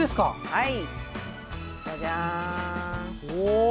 はい。